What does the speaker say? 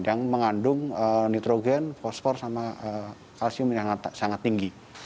yang mengandung nitrogen fosfor sama kalsium yang sangat tinggi